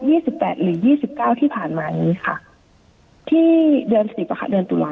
ี่สิบแปดหรือยี่สิบเก้าที่ผ่านมานี้ค่ะที่เดือนสิบอ่ะค่ะเดือนตุลา